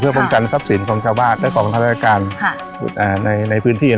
เพื่อป้องกันทรัพย์สินของชาวบ้านและของธนาคารในพื้นที่